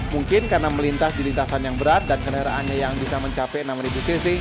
mungkin karena melintas di lintasan yang berat dan kendaraannya yang bisa mencapai enam cc